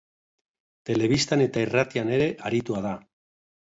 Telebistan eta irratian ere aritua da.